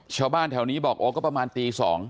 ชาวบ้านแถวนี้บอกโอ้ก็ประมาณตี๒